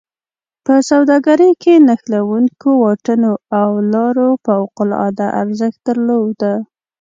په سوداګرۍ کې نښلوونکو واټونو او لارو فوق العاده ارزښت درلوده.